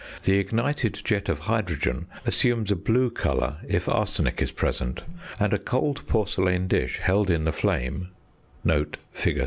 The ignited jet of hydrogen assumes a blue colour if arsenic is present, and a cold porcelain dish held in the flame (fig.